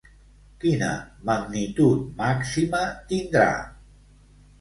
Quina magnitud màxima tindrà?